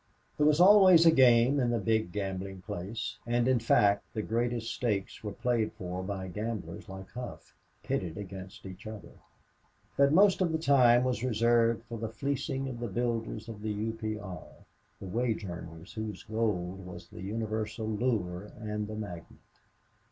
There was always a game in the big gambling place, and in fact the greatest stakes were played for by gamblers like Hough, pitted against each other. But most of the time was reserved for the fleecing of the builders of the U. P. R., the wage earners whose gold was the universal lure and the magnet.